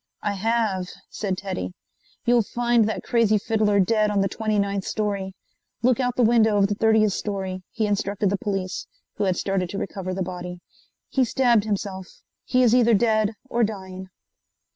"I have," said Teddy. "You'll find that crazy fiddler dead on the twenty ninth story. Look out the window of the thirtieth story," he instructed the police, who had started to recover the body. "He stabbed himself. He is either dead or dying."